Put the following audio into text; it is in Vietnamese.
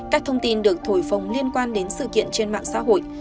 các thông tin được thổi phồng liên quan đến sự kiện trên mạng xã hội